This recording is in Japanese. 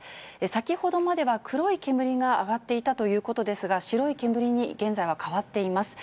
先ほどまでは黒い煙が上がっていたということですが、白い煙に現在は変わっています。